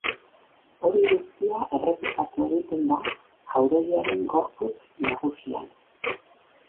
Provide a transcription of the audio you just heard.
Hori guztia errepikatu egiten da jauregiaren gorputz nagusian.